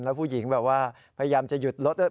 แล้วผู้หญิงแบบว่าพยายามจะหยุดรถด้วย